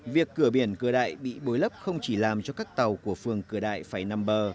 việc cửa biển cửa đại bị bối lấp không chỉ làm cho các tàu của phường cửa đại phải nằm bờ